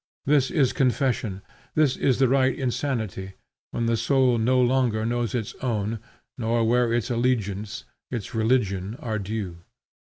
This is confusion, this the right insanity, when the soul no longer knows its own, nor where its allegiance, its religion, are due.